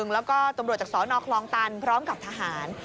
แล้วก็ตำรวจจากสนคลองตันพร้อมกับทหาร